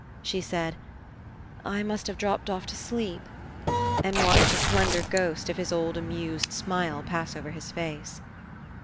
She said: "I must have dropped off to sleep," and watched a slender ghost of his old amused smile pass over his face.